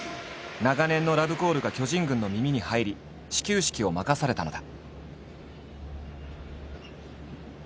長年のラブコールが巨人軍の耳に入り始球式を任されたのだ。